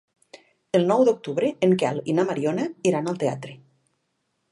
El nou d'octubre en Quel i na Mariona iran al teatre.